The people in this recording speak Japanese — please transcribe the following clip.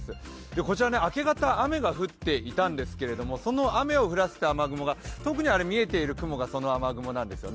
こちら、明け方、雨が降っていたんですけれどもその雨を降らせた雨雲が、あの見えている雨雲なんですね。